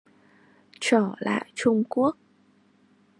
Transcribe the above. Trở lại Trung Quốc